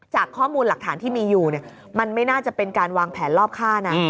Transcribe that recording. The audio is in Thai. จากข้อมูลหลักฐานที่มีอยู่มันไม่น่าจะเป็นการวางแผนรอบค่านะ